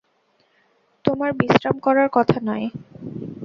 তোমার বিশ্রাম করার কথা নয়?